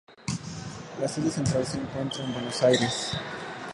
La sede central se encuentra en Buenos Aires.